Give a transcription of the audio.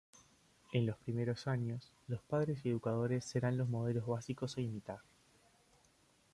En los primeros años, los padres y educadores serán los modelos básicos a imitar.